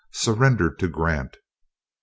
Surrendered to Grant. 1865.